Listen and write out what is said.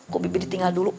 kok bibi ditinggal dulu